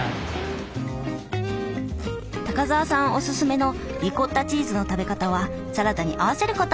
高沢さんおすすめのリコッタチーズの食べ方はサラダに合わせること。